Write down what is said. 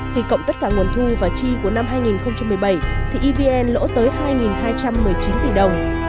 khi cộng tất cả nguồn thu và chi của năm hai nghìn một mươi bảy thì evn lỗ tới hai hai trăm một mươi chín tỷ đồng